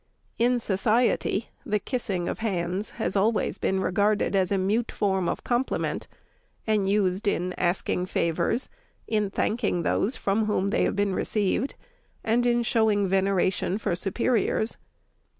In society, the kissing of hands has always been regarded as a mute form of compliment, and used in asking favors, in thanking those from whom they have been received, and in showing veneration for superiors.